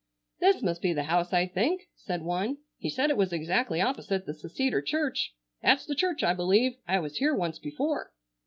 "This must be the house, I think," said one. "He said it was exactly opposite the Seceder church. That's the church, I believe. I was here once before."